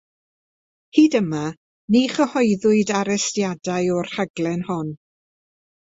Hyd yma, ni chyhoeddwyd arestiadau o'r rhaglen hon.